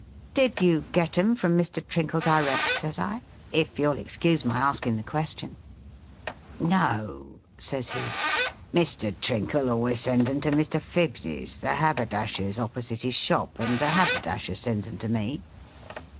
' Did you get 'em from Mr. Trinkle, direct,' Bays I, ' if you '11 excuse my asking the ques tion ?'' No,' says he ;' Mr. Trinkle always sends 'em to Mr. Phibbs's, the haberdasher's, opposite his shop, and the haberdasher sends 'em to me.'